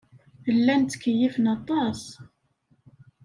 Llan ttkeyyifen aṭas.